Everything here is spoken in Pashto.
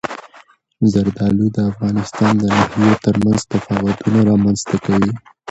زردالو د افغانستان د ناحیو ترمنځ تفاوتونه رامنځته کوي.